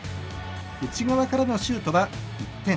内側からのシュートは１点。